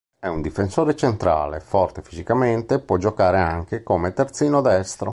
È un difensore centrale forte fisicamente, può giocare anche come terzino destro.